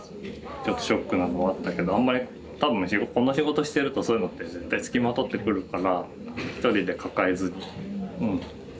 ちょっとショックなのはあったけどあんまり多分この仕事してるとそういうのって絶対付きまとってくるから一人で抱えずにうん。